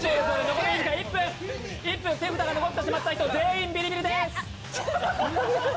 残り時間１分、手札が残ってしまった人、全員ビリビリです。